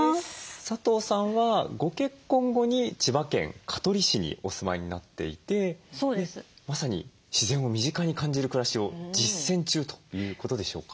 佐藤さんはご結婚後に千葉県香取市にお住まいになっていてまさに自然を身近に感じる暮らしを実践中ということでしょうか？